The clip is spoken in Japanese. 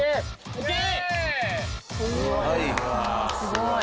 すごい。